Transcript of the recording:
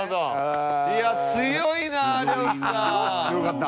いや強いな呂布さん。